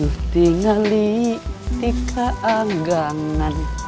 ditinggalin di keagangan